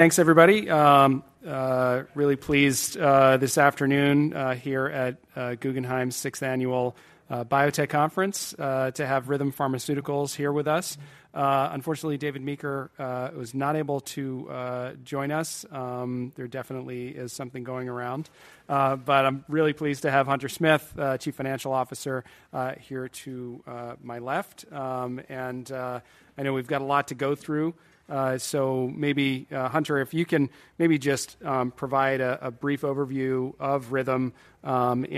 Thanks, everybody. Really pleased this afternoon here at Guggenheim's sixth annual biotech conference to have Rhythm Pharmaceuticals here with us. Unfortunately, David Meeker was not able to join us. There definitely is something going around. But I'm really pleased to have Hunter Smith, Chief Financial Officer, here to my left. And I know we've got a lot to go through. So maybe, Hunter, if you can maybe just provide a brief overview of Rhythm, and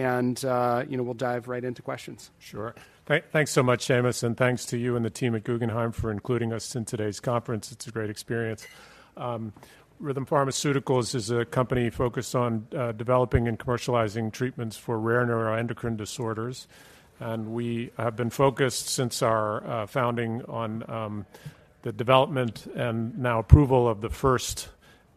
you know, we'll dive right into questions. Sure. Thanks so much, Seamus, and thanks to you and the team at Guggenheim for including us in today's conference. It's a great experience. Rhythm Pharmaceuticals is a company focused on developing and commercializing treatments for rare neuroendocrine disorders, and we have been focused since our founding on the development and now approval of the first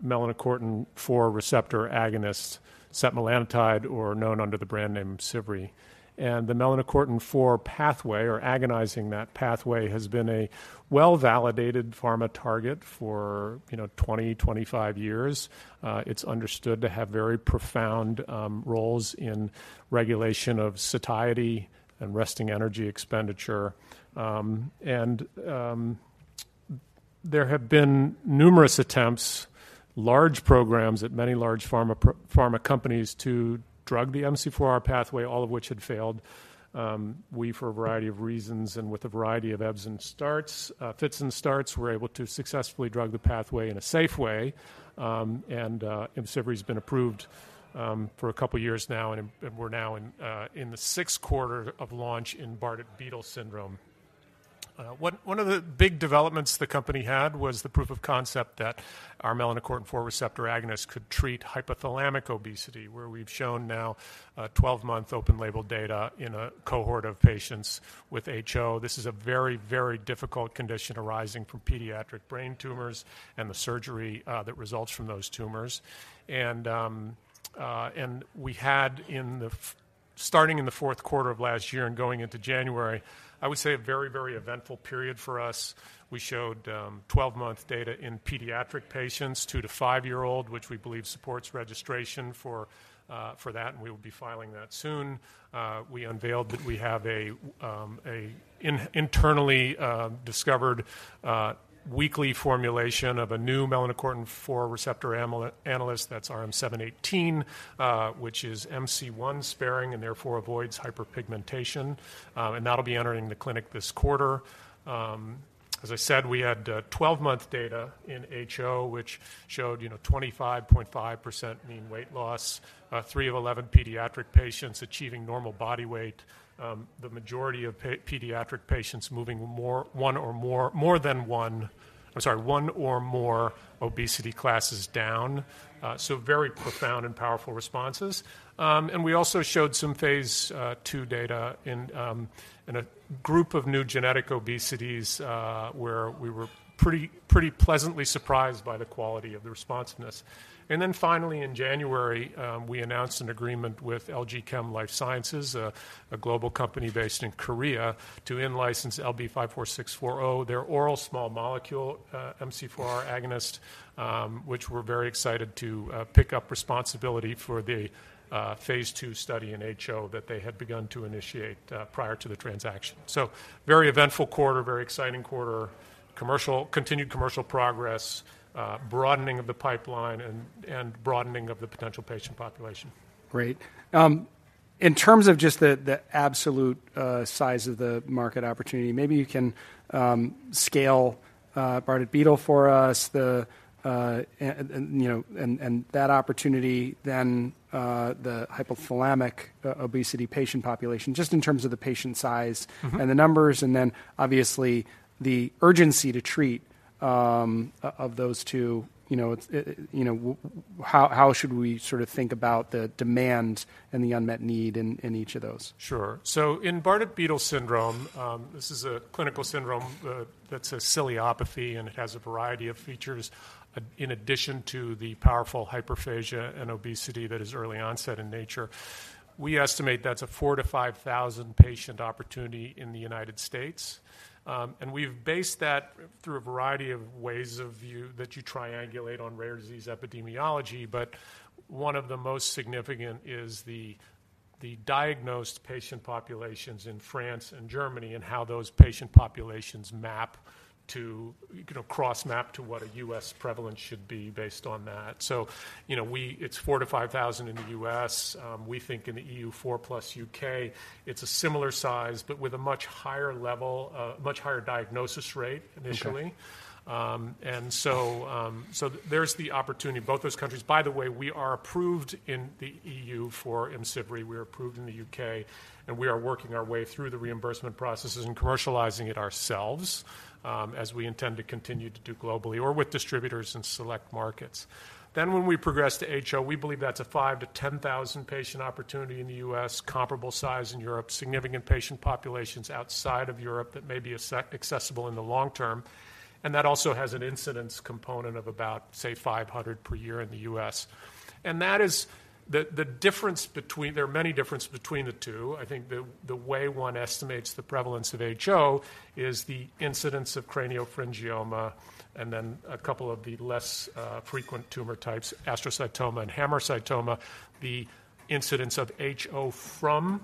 melanocortin-4 receptor agonist, setmelanotide, or known under the brand name, IMCIVREE. The melanocortin-4 pathway or agonizing that pathway has been a well-validated pharma target for, you know, 20–25 years. It's understood to have very profound roles in regulation of satiety and resting energy expenditure. There have been numerous attempts, large programs at many large pharma companies to drug the MC4R pathway, all of which had failed. We, for a variety of reasons and with a variety of ebbs and starts, fits and starts, were able to successfully drug the pathway in a safe way. And IMCIVREE's been approved for a couple of years now, and we're now in the sixth quarter of launch in Bardet-Biedl syndrome. One of the big developments the company had was the proof of concept that our melanocortin-4 receptor agonist could treat hypothalamic obesity, where we've shown now 12-month open-label data in a cohort of patients with HO. This is a very difficult condition arising from pediatric brain tumors and the surgery that results from those tumors. And we had, starting in the fourth quarter of last year and going into January, I would say a very, very eventful period for us. We showed 12-month data in pediatric patients, 2- to 5-year-old, which we believe supports registration for that, and we will be filing that soon. We unveiled that we have an internally discovered weekly formulation of a new melanocortin-4 receptor agonist, that's RM-718, which is MC1-sparing and therefore avoids hyperpigmentation. And that'll be entering the clinic this quarter. As I said, we had 12-month data in HO, which showed, you know, 25.5% mean weight loss, 3 of 11 pediatric patients achieving normal body weight, the majority of pediatric patients moving 1 or more obesity classes down. So very profound and powerful responses. And we also showed some phase II data in a group of new genetic obesities where we were pretty, pretty pleasantly surprised by the quality of the responsiveness. And then finally, in January, we announced an agreement with LG Chem Life Sciences, a global company based in Korea, to in-license LB54640, their oral small molecule MC4R agonist, which we're very excited to pick up responsibility for the phase II study in HO that they had begun to initiate prior to the transaction. So very eventful quarter, very exciting quarter, continued commercial progress, broadening of the pipeline and broadening of the potential patient population. Great. In terms of just the absolute size of the market opportunity, maybe you can scale Bardet-Biedl for us, and you know, and that opportunity, then the hypothalamic obesity patient population, just in terms of the patient size- Mm-hmm. and the numbers, and then obviously, the urgency to treat of those two, you know, how should we sort of think about the demand and the unmet need in each of those? Sure. So in Bardet-Biedl syndrome, this is a clinical syndrome, that's a ciliopathy, and it has a variety of features, in addition to the powerful hyperphagia and obesity that is early-onset in nature. We estimate that's a 4-5 thousand patient opportunity in the United States. And we've based that through a variety of ways of view that you triangulate on rare disease epidemiology, but one of the most significant is the diagnosed patient populations in France and Germany and how those patient populations map to, you know, cross-map to what a US prevalence should be based on that. So you know, we, it's 4,000–5,000 in the US. We think in the EU4 plus UK, it's a similar size, but with a much higher level, much higher diagnosis rate initially. Okay. And so there's the opportunity, both those countries. By the way, we are approved in the E.U. for IMCIVREE, we are approved in the U.K., and we are working our way through the reimbursement processes and commercializing it ourselves, as we intend to continue to do globally or with distributors in select markets. Then when we progress to HO, we believe that's a 5,000-10,000 patient opportunity in the U.S., comparable size in Europe, significant patient populations outside of Europe that may be accessible in the long term, and that also has an incidence component of about, say, 500 per year in the U.S. And that is the difference between... There are many differences between the two. I think the way one estimates the prevalence of HO is the incidence of craniopharyngioma and then a couple of the less frequent tumor types, astrocytoma and hemangioblastoma, the incidence of HO from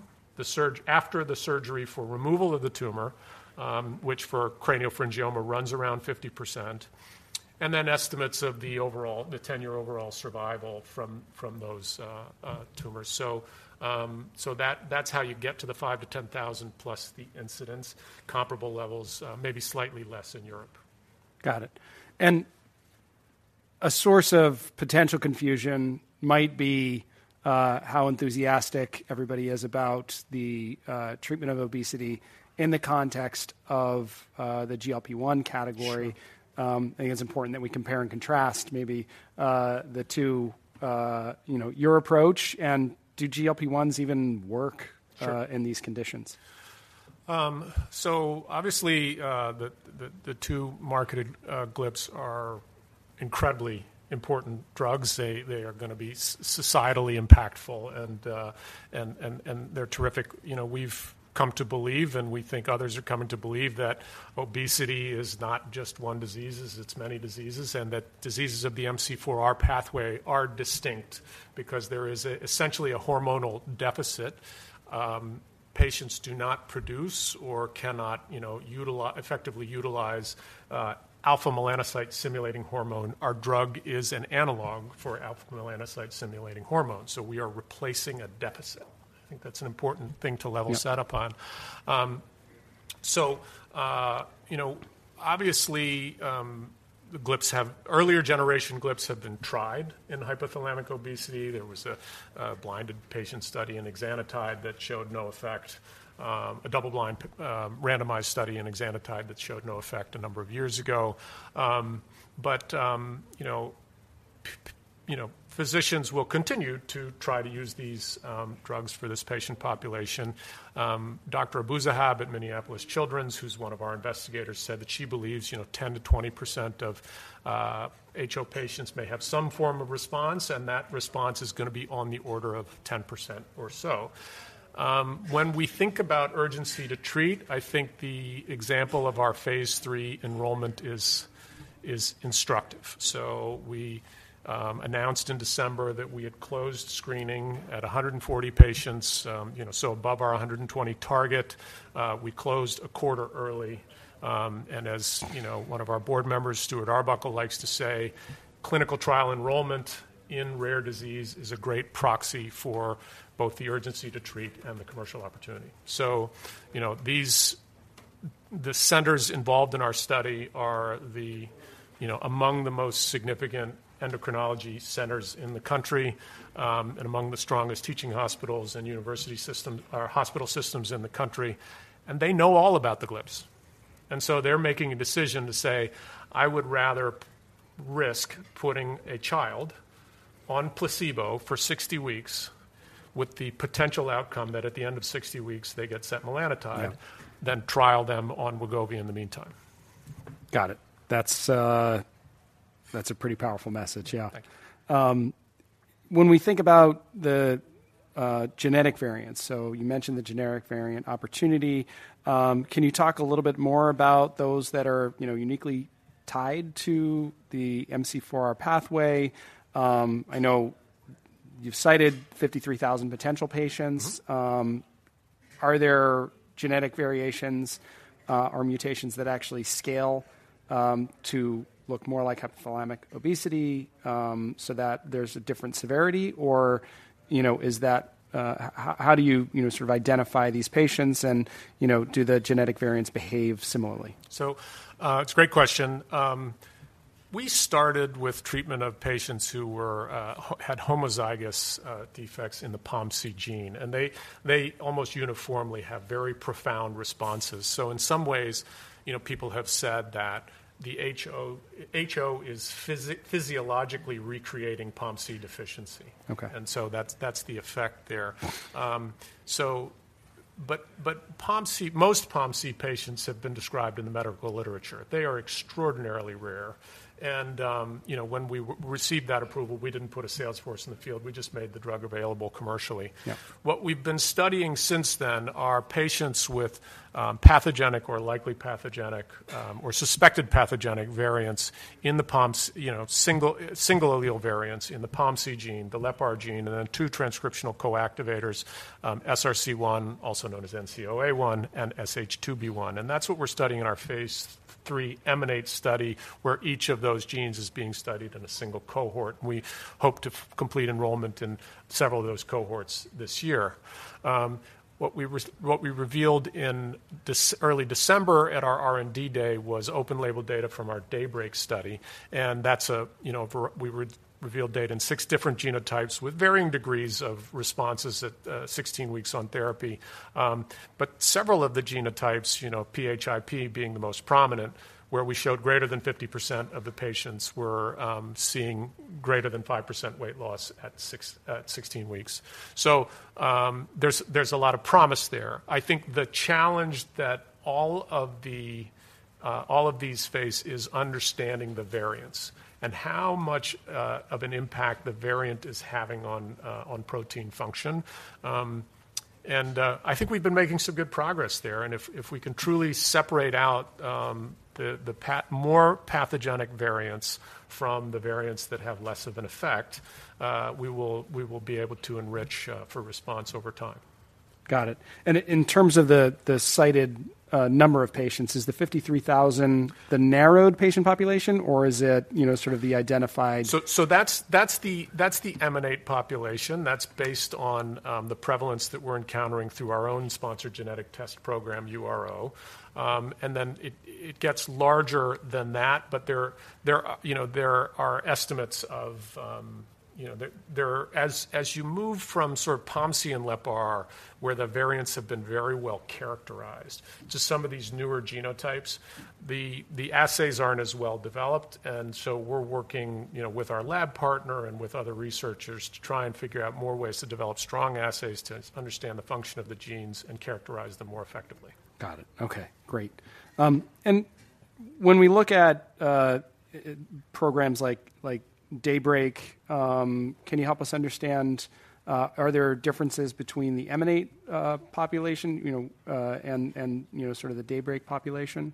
after the surgery for removal of the tumor, which for craniopharyngioma runs around 50%.... and then estimates of the overall, the 10-year overall survival from those tumors. So, so that, that's how you get to the 5,000-10,000 plus the incidence, comparable levels, maybe slightly less in Europe. Got it. And a source of potential confusion might be how enthusiastic everybody is about the treatment of obesity in the context of the GLP-1 category. Sure. I think it's important that we compare and contrast maybe the two, you know, your approach and do GLP-1s even work- Sure. in these conditions? So obviously, the two marketed GLPs are incredibly important drugs. They are going to be societally impactful, and they're terrific. You know, we've come to believe, and we think others are coming to believe, that obesity is not just one disease, it's many diseases, and that diseases of the MC4R pathway are distinct because there is essentially a hormonal deficit. Patients do not produce or cannot, you know, effectively utilize alpha-melanocyte-stimulating hormone. Our drug is an analog for alpha-melanocyte-stimulating hormone, so we are replacing a deficit. I think that's an important thing to level set up on. Yeah. So, you know, obviously, the GLPs have—earlier generation GLPs have been tried in hypothalamic obesity. There was a blinded patient study in exenatide that showed no effect, a double-blind, randomized study in exenatide that showed no effect a number of years ago. But, you know, you know, physicians will continue to try to use these, drugs for this patient population. Dr. Abuzzahab at Minneapolis Children's, who's one of our investigators, said that she believes, you know, 10%-20% of HO patients may have some form of response, and that response is going to be on the order of 10% or so. When we think about urgency to treat, I think the example of our phase III enrollment is instructive. So we announced in December that we had closed screening at 140 patients, you know, so above our 120 target. We closed a quarter early, and as you know, one of our board members, Stuart Arbuckle, likes to say, "Clinical trial enrollment in rare disease is a great proxy for both the urgency to treat and the commercial opportunity." So, you know, these, the centers involved in our study are the, you know, among the most significant endocrinology centers in the country, and among the strongest teaching hospitals and university system or hospital systems in the country, and they know all about the GLPs. And so they're making a decision to say, "I would rather risk putting a child on placebo for 60 weeks with the potential outcome that at the end of 60 weeks, they get setmelanotide- Yeah. than trial them on Wegovy in the meantime. Got it. That's, that's a pretty powerful message. Yeah. Thank you. When we think about the genetic variants, so you mentioned the genetic variant opportunity. Can you talk a little bit more about those that are, you know, uniquely tied to the MC4R pathway? I know you've cited 53,000 potential patients. Are there genetic variations or mutations that actually scale to look more like hypothalamic obesity, so that there's a different severity? Or, you know, is that how do you, you know, sort of identify these patients and, you know, do the genetic variants behave similarly? It's a great question. We started with treatment of patients who had homozygous defects in the POMC gene, and they almost uniformly have very profound responses. So in some ways, you know, people have said that the HO is physiologically recreating POMC deficiency. Okay. That's the effect there. But POMC, most POMC patients have been described in the medical literature. They are extraordinarily rare, and you know, when we received that approval, we didn't put a sales force in the field. We just made the drug available commercially. Yeah. What we've been studying since then are patients with pathogenic or likely pathogenic or suspected pathogenic variants in the POMC, you know, single, single allele variants in the POMC gene, the LEPR gene, and then two transcriptional coactivators, SRC1, also known as NCOA1, and SH2B1. That's what we're studying in our phase 3 MNAT study, where each of those genes is being studied in a single cohort. We hope to complete enrollment in several of those cohorts this year. What we revealed in early December at our R&D day was open label data from our Daybreak study, and that's, you know, we revealed data in six different genotypes with varying degrees of responses at 16 weeks on therapy. But several of the genotypes, you know, PHIP being the most prominent, where we showed greater than 50% of the patients were seeing greater than 5% weight loss at sixteen weeks. So, there's a lot of promise there. I think the challenge that all of these face is understanding the variants and how much of an impact the variant is having on protein function. And I think we've been making some good progress there, and if we can truly separate out the more pathogenic variants from the variants that have less of an effect, we will be able to enrich for response over time.... Got it. And in terms of the cited number of patients, is the 53,000 the narrowed patient population, or is it, you know, sort of the identified? So that's the MNAT population. That's based on the prevalence that we're encountering through our own sponsored genetic test program, URO. And then it gets larger than that, but there are, you know, there are estimates of, you know, there are—as you move from sort of POMC and LEPR, where the variants have been very well characterized, to some of these newer genotypes, the assays aren't as well developed, and so we're working, you know, with our lab partner and with other researchers to try and figure out more ways to develop strong assays to understand the function of the genes and characterize them more effectively. Got it. Okay, great. And when we look at programs like Daybreak, can you help us understand, are there differences between the MNAT population, you know, and sort of the Daybreak population?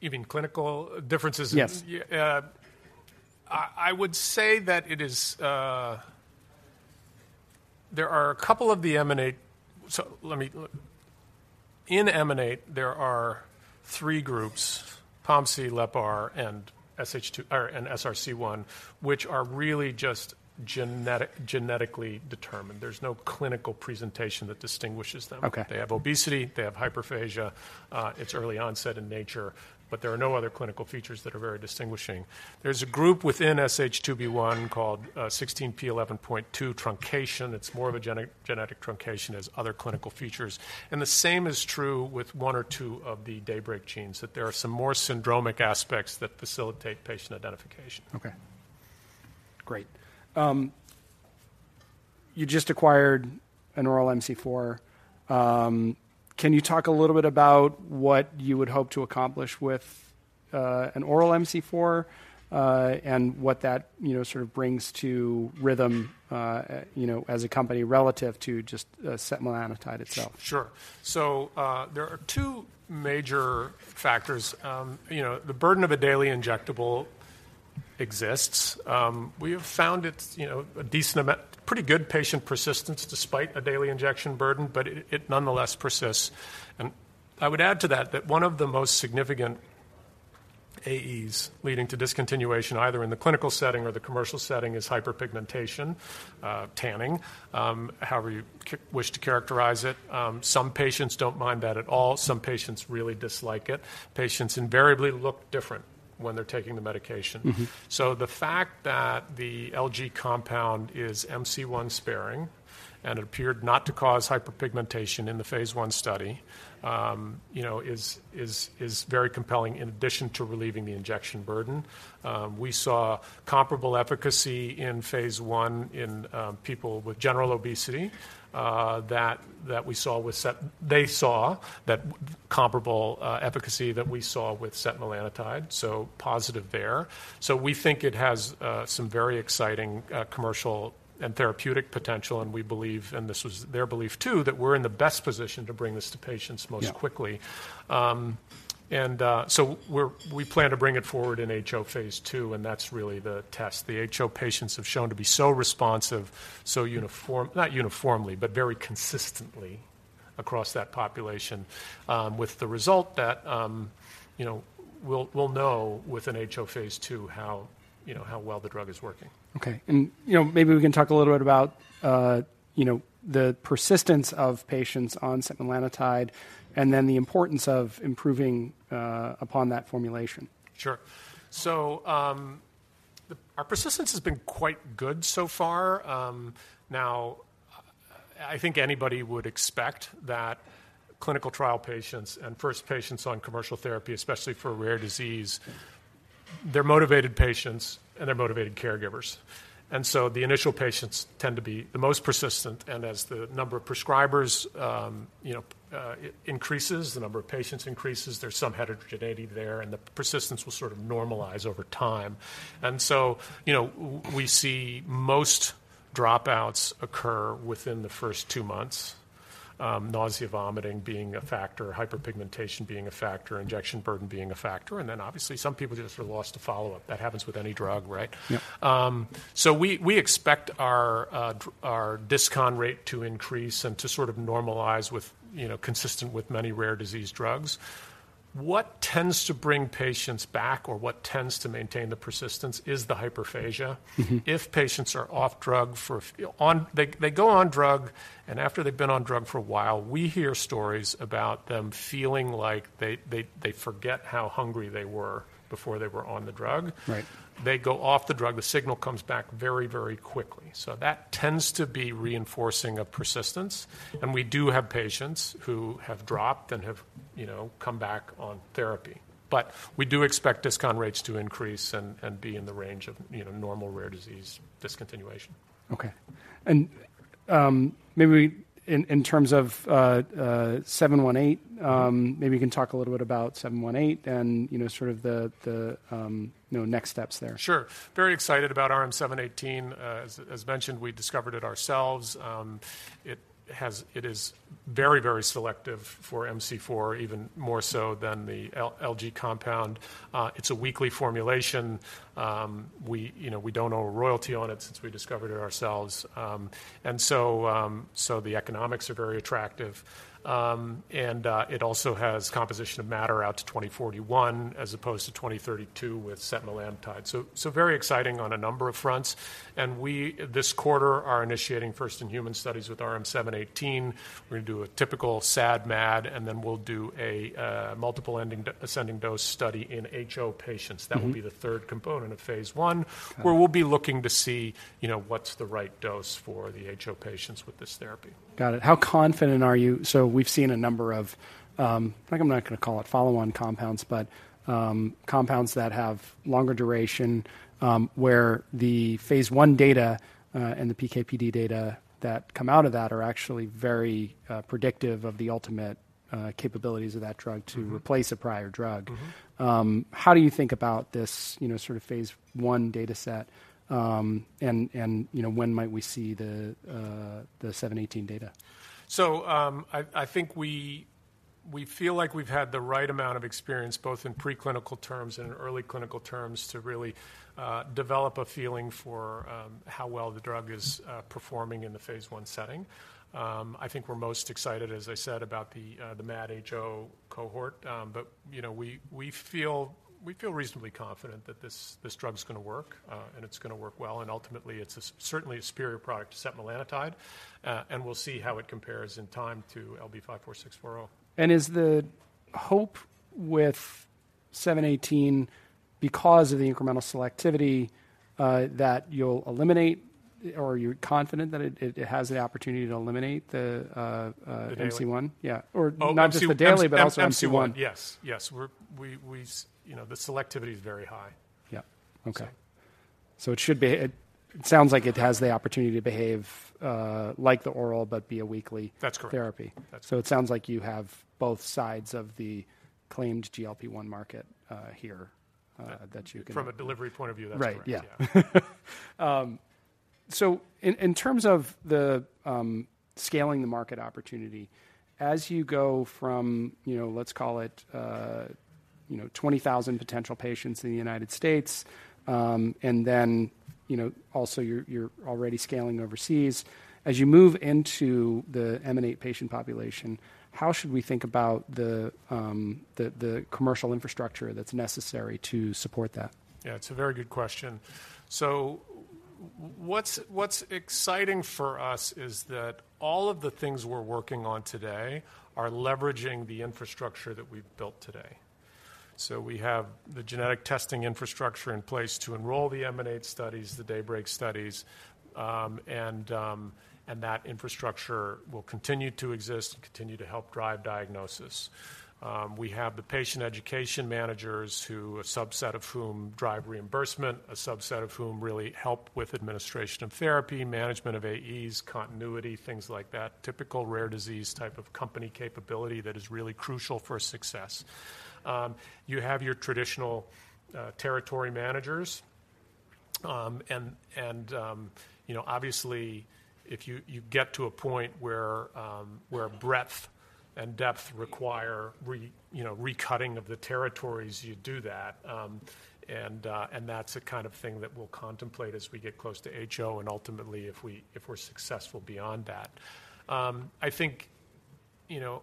You mean clinical differences? Yes. I would say that it is. In MNAT, there are three groups: POMC, LEPR, and SH2, or and SRC1, which are really just genetic, genetically determined. There's no clinical presentation that distinguishes them. Okay. They have obesity, they have hyperphagia, it's early onset in nature, but there are no other clinical features that are very distinguishing. There's a group within SH2B1 called 16p11.2 truncation. It's more of a genetic truncation as other clinical features. And the same is true with one or two of the Daybreak genes, that there are some more syndromic aspects that facilitate patient identification. Okay. Great. You just acquired an oral MC4. Can you talk a little bit about what you would hope to accomplish with an oral MC4, and what that, you know, sort of brings to Rhythm, you know, as a company relative to just setmelanotide itself? Sure. So, there are two major factors. You know, the burden of a daily injectable exists. We have found it, you know, a decent amount, pretty good patient persistence despite a daily injection burden, but it nonetheless persists. And I would add to that, that one of the most significant AEs leading to discontinuation, either in the clinical setting or the commercial setting, is hyperpigmentation, tanning, however you wish to characterize it. Some patients don't mind that at all. Some patients really dislike it. Patients invariably look different when they're taking the medication. Mm-hmm. So the fact that the LG compound is MC1-sparing and appeared not to cause hyperpigmentation in the phase one study, you know, is very compelling in addition to relieving the injection burden. We saw comparable efficacy in phase one in people with general obesity that we saw with setmelanotide. They saw that comparable efficacy that we saw with setmelanotide, so positive there. So we think it has some very exciting commercial and therapeutic potential, and we believe, and this was their belief too, that we're in the best position to bring this to patients most quickly. Yeah. We plan to bring it forward in HO phase 2, and that's really the test. The HO patients have shown to be so responsive, so uniform, not uniformly, but very consistently across that population, with the result that, you know, we'll know within HO phase 2 how, you know, how well the drug is working. Okay. You know, maybe we can talk a little bit about, you know, the persistence of patients on setmelanotide and then the importance of improving upon that formulation. Sure. So, our persistence has been quite good so far. Now, I think anybody would expect that clinical trial patients and first patients on commercial therapy, especially for a rare disease, they're motivated patients and they're motivated caregivers. And so the initial patients tend to be the most persistent, and as the number of prescribers, you know, increases, the number of patients increases, there's some heterogeneity there, and the persistence will sort of normalize over time. And so, you know, we see most dropouts occur within the first two months, nausea, vomiting being a factor, hyperpigmentation being a factor, injection burden being a factor, and then obviously, some people just are lost to follow-up. That happens with any drug, right? Yeah. So we expect our discontinuation rate to increase and to sort of normalize with, you know, consistent with many rare disease drugs. What tends to bring patients back or what tends to maintain the persistence is the hyperphagia. Mm-hmm. If patients are off drug for, on... They go on drug, and after they've been on drug for a while, we hear stories about them feeling like they forget how hungry they were before they were on the drug. Right. They go off the drug, the signal comes back very quickly. So that tends to be reinforcing of persistence, and we do have patients who have dropped and have, you know, come back on therapy. But we do expect discontinuation rates to increase and be in the range of, you know, normal rare disease discontinuation. Okay, maybe in terms of 7-1-8, maybe you can talk a little bit about 7-1-8 and, you know, sort of the next steps there. Sure. Very excited about RM-718. As mentioned, we discovered it ourselves. It is very selective for MC4R, even more so than the LG compound. It's a weekly formulation. You know, we don't own a royalty on it since we discovered it ourselves. And so the economics are very attractive. And it also has composition of matter out to 2041 as opposed to 2032 with setmelanotide. So very exciting on a number of fronts, and we, this quarter, are initiating first in human studies with RM-718. We're gonna do a typical SAD/MAD, and then we'll do a multiple ascending dose study in HO patients. Mm-hmm. That will be the third component of phase 1- Got it. where we'll be looking to see, you know, what's the right dose for the HO patients with this therapy. Got it. How confident are you? So we've seen a number of... I think I'm not going to call it follow-on compounds, but, compounds that have longer duration, where the phase 1 data and the PK/PD data that come out of that are actually very predictive of the ultimate capabilities of that drug- Mm-hmm. to replace a prior drug. Mm-hmm. How do you think about this, you know, sort of phase one data set? You know, when might we see the 718 data? So, I think we feel like we've had the right amount of experience, both in preclinical terms and in early clinical terms, to really develop a feeling for how well the drug is performing in the phase 1 setting. I think we're most excited, as I said, about the MAD/HO cohort. But, you know, we feel reasonably confident that this drug's gonna work, and it's gonna work well, and ultimately, it's certainly a superior product to setmelanotide, and we'll see how it compares in time to LB54640. Is the hope with RM-718, because of the incremental selectivity, that you'll eliminate, or are you confident that it has the opportunity to eliminate the The daily? MC1? Yeah. Or not just the daily, but also MC1. MC1, yes, yes. We're... You know, the selectivity is very high. Yeah. Okay. So it should be. It sounds like it has the opportunity to behave like the oral, but be a weekly- That's correct. -therapy. That's correct. So it sounds like you have both sides of the claimed GLP-1 market, here, that you can- From a delivery point of view, that's correct. Right. Yeah. So in terms of the scaling the market opportunity, as you go from, you know, let's call it, you know, 20,000 potential patients in the United States, and then, you know, also you're already scaling overseas. As you move into the MNAT patient population, how should we think about the commercial infrastructure that's necessary to support that? Yeah, it's a very good question. So what's exciting for us is that all of the things we're working on today are leveraging the infrastructure that we've built today. So we have the genetic testing infrastructure in place to enroll the MNAT studies, the Daybreak studies, and that infrastructure will continue to exist and continue to help drive diagnosis. We have the patient education managers who, a subset of whom drive reimbursement, a subset of whom really help with administration of therapy, management of AEs, continuity, things like that. Typical rare disease type of company capability that is really crucial for success. You have your traditional territory managers, and you know, obviously, if you get to a point where breadth and depth require recutting of the territories, you do that. That's the kind of thing that we'll contemplate as we get close to HO and ultimately, if we're successful beyond that. I think, you know,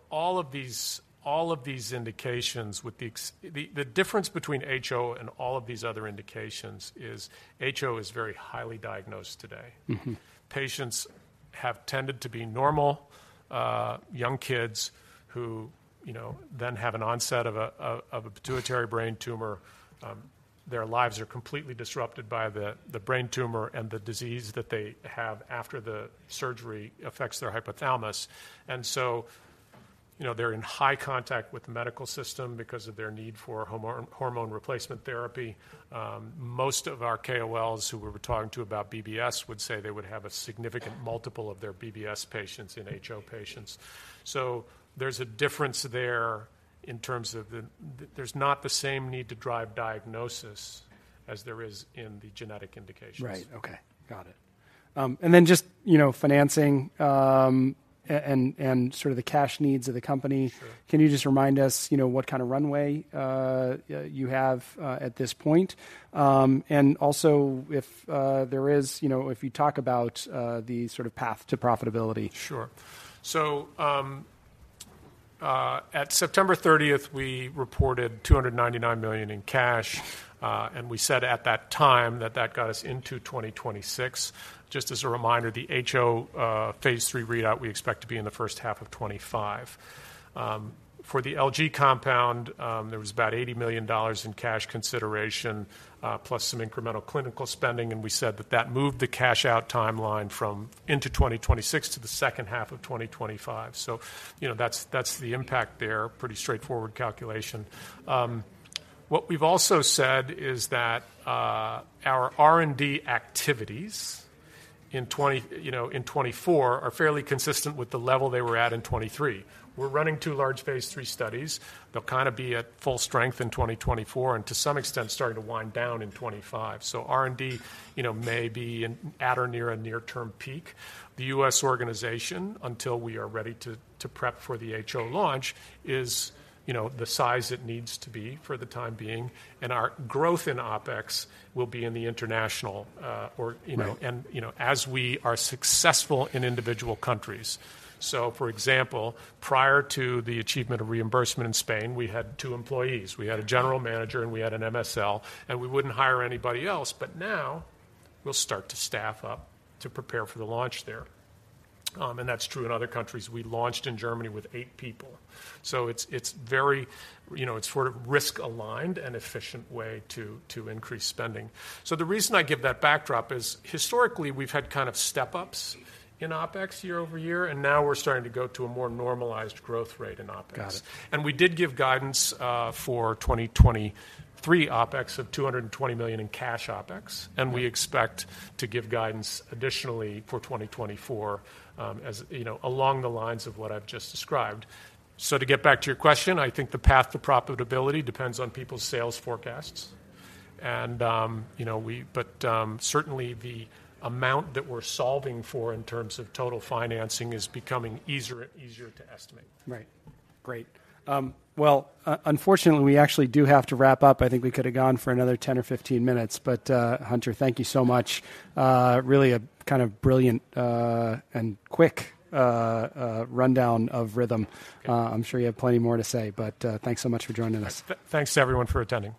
all of these indications. The difference between HO and all of these other indications is that HO is very highly diagnosed today. Mm-hmm. Patients have tended to be normal young kids who, you know, then have an onset of a pituitary brain tumor. Their lives are completely disrupted by the brain tumor and the disease that they have after the surgery affects their hypothalamus. And so, you know, they're in high contact with the medical system because of their need for hormone replacement therapy. Most of our KOLs who we were talking to about BBS would say they would have a significant multiple of their BBS patients in HO patients. So there's a difference there in terms of there's not the same need to drive diagnosis as there is in the genetic indications. Right. Okay, got it. And then just, you know, financing, and sort of the cash needs of the company. Sure. Can you just remind us, you know, what kind of runway you have at this point? And also, if there is, you know, if you talk about the sort of path to profitability. Sure. So, at September 30th, we reported $299 million in cash, and we said at that time that that got us into 2026. Just as a reminder, the HO phase 3 readout, we expect to be in the first half of 2025. For the LG compound, there was about $80 million in cash consideration, plus some incremental clinical spending, and we said that that moved the cash-out timeline from into 2026 to the second half of 2025. So, you know, that's, that's the impact there. Pretty straightforward calculation. What we've also said is that, our R&D activities in 2024 are fairly consistent with the level they were at in 2023. We're running two large phase 3 studies. They'll kind of be at full strength in 2024, and to some extent, starting to wind down in 2025. So R&D, you know, may be in, at or near a near-term peak. The U.S. organization, until we are ready to prep for the HO launch, is, you know, the size it needs to be for the time being, and our growth in OpEx will be in the international, or, you know- Right. And, you know, as we are successful in individual countries. So, for example, prior to the achievement of reimbursement in Spain, we had two employees. We had a general manager, and we had an MSL, and we wouldn't hire anybody else, but now we'll start to staff up to prepare for the launch there. And that's true in other countries. We launched in Germany with eight people. So it's very, you know, it's sort of risk-aligned and efficient way to increase spending. So the reason I give that backdrop is, historically, we've had kind of step-ups in OpEx year-over-year, and now we're starting to go to a more normalized growth rate in OpEx. Got it. And we did give guidance for 2023 OpEx of $220 million in cash OpEx, and we expect to give guidance additionally for 2024, as you know, along the lines of what I've just described. So to get back to your question, I think the path to profitability depends on people's sales forecasts. And, you know, but certainly, the amount that we're solving for in terms of total financing is becoming easier and easier to estimate. Right. Great. Well, unfortunately, we actually do have to wrap up. I think we could have gone for another 10 or 15 minutes, but, Hunter, thank you so much. Really a kind of brilliant and quick rundown of Rhythm. Okay. I'm sure you have plenty more to say, but, thanks so much for joining us. Thanks to everyone for attending.